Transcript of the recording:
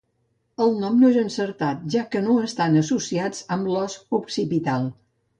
El nom no és encertat, ja que no estan associats amb l'os occipital.